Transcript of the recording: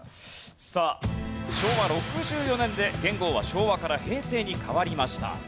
さあ昭和６４年で元号は昭和から平成に変わりました。